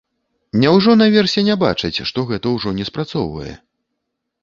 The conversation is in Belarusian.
Няўжо наверсе не бачаць, што гэта ўжо не спрацоўвае?